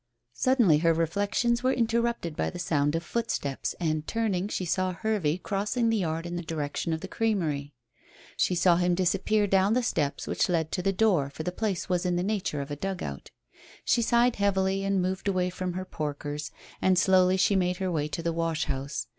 Suddenly her reflections were interrupted by the sound of footsteps, and turning, she saw Hervey crossing the yard in the direction of the creamery. She saw him disappear down the steps which led to the door, for the place was in the nature of a dugout She sighed heavily and moved away from her porkers, and slowly she made her way to the wash house.